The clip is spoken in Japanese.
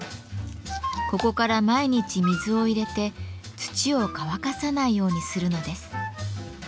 ここから毎日水を入れて土を乾かさないようにするのです。